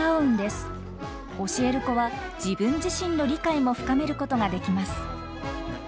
教える子は自分自身の理解も深めることができます。